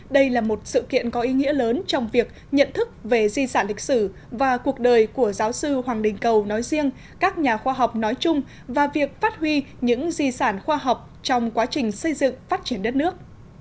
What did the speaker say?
đây là một sự kiện có ý nghĩa lớn trong việc nhận thức về di sản lịch sử và cuộc đời của giáo sư hoàng đình cầu nói riêng các nhà khoa học nói chung và việc phát huy những di sản khoa học trong quá trình xây dựng phát triển đất nước